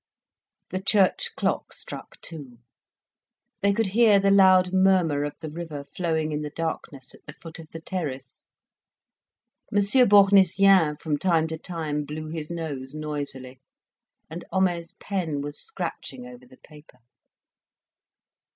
The church clock struck two. They could hear the loud murmur of the river flowing in the darkness at the foot of the terrace. Monsieur Bournisien from time to time blew his nose noisily, and Homais' pen was scratching over the paper.